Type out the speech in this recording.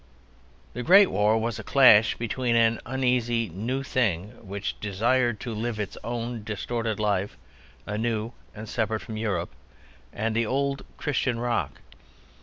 The Great War was a clash between an uneasy New Thing which desired to live its own distorted life anew and separate from Europe, and the old Christian rock.